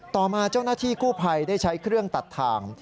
ต่อมาเจ้าหน้าที่กู้ภัยได้ใช้เครื่องตัดทาง